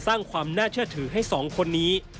สร้างความน่าเชื่อถือให้สองคนนี้